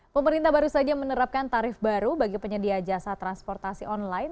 pemerintah baru saja menerapkan tarif baru bagi penyedia jasa transportasi online